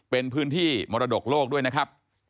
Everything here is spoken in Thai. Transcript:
เป็นพื้นที่มรดกโลกด้วยนะครับ